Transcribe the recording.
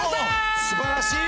すばらしい。